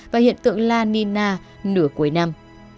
và hiện tượng la nina nửa cuối năm